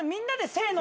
せの。